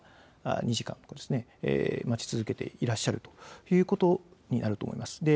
恐らく待ち続けていらっしゃるということになると思います。